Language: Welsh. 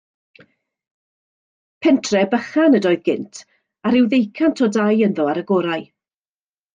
Pentref bychan ydoedd gynt, a rhyw ddeucant o dai ynddo ar y gorau.